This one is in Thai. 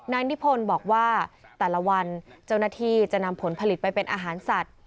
นายนิพนธ์บอกว่าแต่ละวันเจ้าหน้าที่จะนำผลผลิตไปเป็นอาหารสัตว์